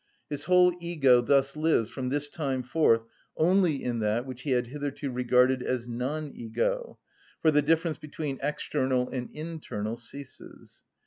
His whole ego thus lives from this time forth only in that which he had hitherto regarded as non‐ego: for the difference between external and internal ceases.